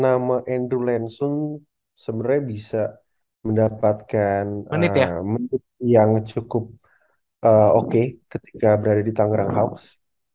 nama andrew lansun sebenernya bisa mendapatkan menit yang cukup oke ketika berada di tanggerang house